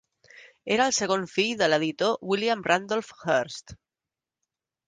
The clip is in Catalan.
Era el segon fill de l'editor William Randolph Hearst.